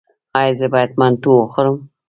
ایا زه باید منتو وخورم؟